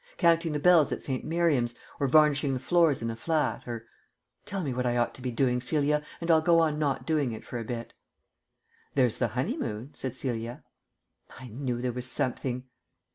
Counting the bells at St. Miriam's, or varnishing the floors in the flat, or Tell me what I ought to be doing, Celia, and I'll go on not doing it for a bit." "There's the honeymoon," said Celia. "I knew there was something."